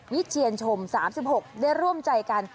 เทียนชม๓๖ได้ร่วมใจกัน